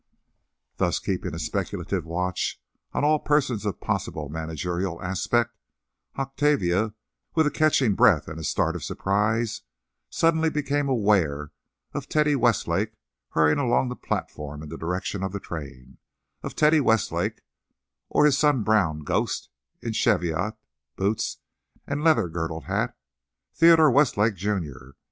Thus keeping a speculative watch on all persons of possible managerial aspect, Octavia, with a catching breath and a start of surprise, suddenly became aware of Teddy Westlake hurrying along the platform in the direction of the train—of Teddy Westlake or his sun browned ghost in cheviot, boots and leather girdled hat—Theodore Westlake, Jr.